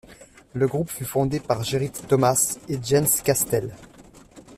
Le groupe fut fondé par Gerrit Thomas et Jens Kästel.